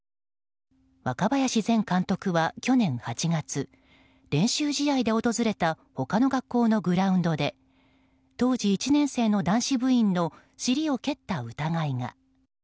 若林前監督は去年８月練習試合で訪れた他の学校のグラウンドで当時１年生の男子部員の尻を蹴った疑いが。